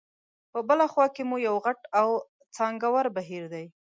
په بله خوا کې مو یو غټ او څانګور بهیر دی.